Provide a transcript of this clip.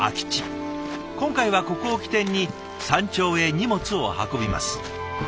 今回はここを起点に山頂へ荷物を運びます。